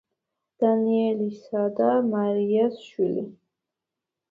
დანიელისა და მარიას შვილი.